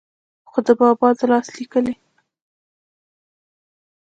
خو دَبابا دَلاس ليکلې